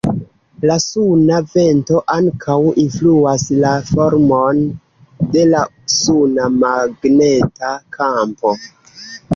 La suna vento ankaŭ influas la formon de la suna magneta kampo.